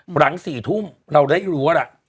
หลัง๔ทุ่มเราได้รู้ว่าล่ะ